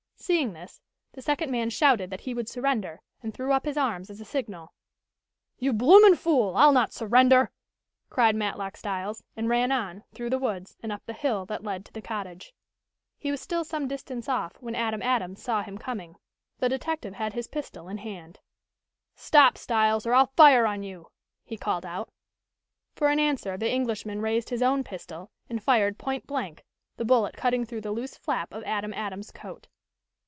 Seeing this the second man shouted that he would surrender, and threw up his arms as a signal. "You bloomin' fool! I'll not surrender!" cried Matlock Styles, and ran on, through the woods, and up the hill that led to the cottage. He was still some distance off, when Adam Adams saw him coming. The detective had his pistol in his hand. "Stop, Styles, or I'll fire on you!" he called out. For an answer the Englishman raised his own pistol and fired point blank, the bullet cutting through the loose flap of Adam Adams' coat.